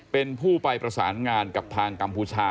เป็นผู้ไปประสานงานกับทางกัมพูชา